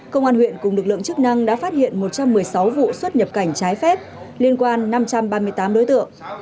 công an huyện cùng lực lượng chức năng đã phát hiện một trăm một mươi sáu vụ xuất nhập cảnh trái phép liên quan năm trăm ba mươi tám đối tượng